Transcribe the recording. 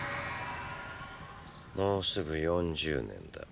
もうすぐ４０年だ。